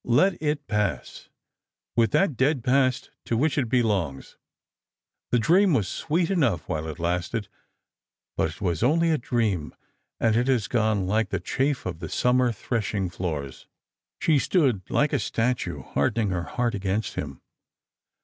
Let it pass, with that dead past to which it belongs. The dream was sweet enough while it lasted ; but it was only a dream, and it has gone ' like the chaflF of the summer threshing floors.' " She stood like a statue, hardening her heart against him.